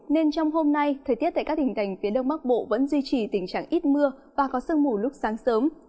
nên trong hôm nay thời tiết tại các tỉnh thành phía đông bắc bộ vẫn duy trì tình trạng ít mưa và có sương mù lúc sáng sớm